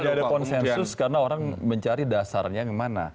tidak ada konsensus karena orang mencari dasarnya yang mana